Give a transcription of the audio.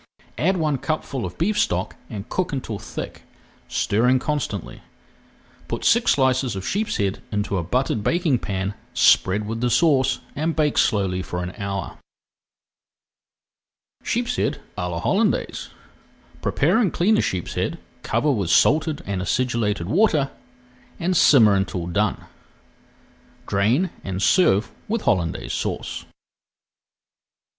Add one cupful of beef stock and cook until thick, stirring constantly. Put six slices of sheepshead into a buttered baking pan, spread with the sauce, and bake slowly for an hour. [Page 359] SHEEPSHEAD À LA HOLLANDAISE Prepare and clean a sheepshead, cover with salted and acidulated water, and simmer until done. Drain and serve with Hollandaise Sauce.